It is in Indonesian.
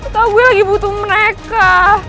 tau gue lagi butuh mereka